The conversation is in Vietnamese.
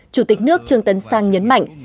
chủ tịch nước trương tấn sang nhấn mạnh